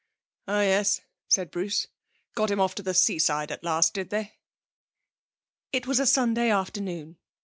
'Oh yes,' said Bruce. 'Got him off to the seaside at last, did they?' It was a Sunday afternoon.